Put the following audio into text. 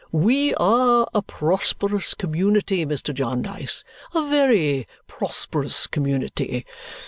We are a prosperous community, Mr. Jarndyce, a very prosperous community.